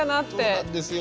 そうなんですよ。